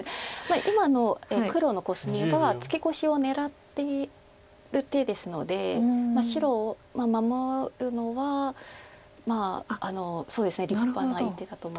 今の黒のコスミはツケコシを狙ってる手ですので白守るのは立派な一手だと思います。